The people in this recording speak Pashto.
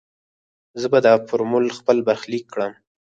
زه به دا فورمول خپل برخليک کړم.